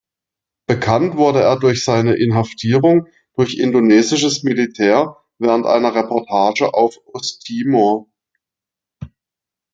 Bekannt wurde er durch seine Inhaftierung durch indonesisches Militär während einer Reportage auf Osttimor.